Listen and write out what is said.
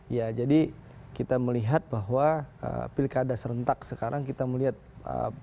ya jadi kita melihat bahwa pilkada serentak sekarang kita melihat bagaimana kisah yang menyebutkanenter